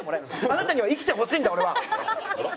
あなたには生きてほしいんだ俺は！